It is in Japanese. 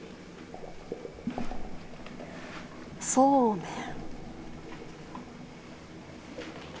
そうめん。